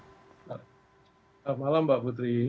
selamat malam mbak putri